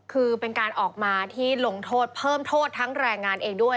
คือเป็นการออกมาที่ลงโทษเพิ่มโทษทั้งแรงงานเองด้วย